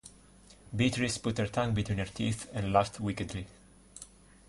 Beatrice put her tongue between her teeth and laughed wickedly.